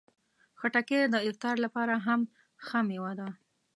خټکی د افطار لپاره هم ښه مېوه ده.